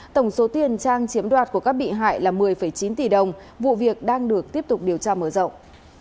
tổng số tiền trang chiếm đoạt của các bị hại là một mươi chín tỷ đồng vụ việc đang được tiếp tục điều tra mở rộng